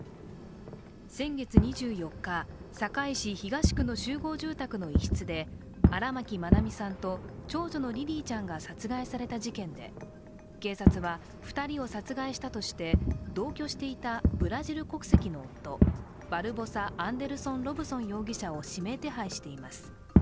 先月２４日、堺市東区の集合住宅の一室で荒牧愛美さんと長女のリリィちゃんが殺害された事件で警察は２人を殺害したとして同居していたブラジル国籍の夫バルボサ・アンデルソン・ロブソン容疑者を指名手配しています。